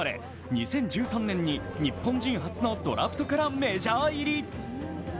２０１３年に日本人初のドラフトからメジャー入り。